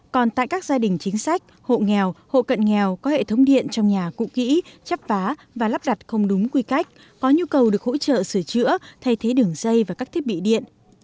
còn tại các gia đình chính sách hộ nghèo hộ cận nghèo có hệ thống điện trong nhà cụ kỹ chấp phá và lắp đặt không đúng quy cách có nhu cầu được hỗ trợ sửa chữa thay thế đường dây và các thiết bị điện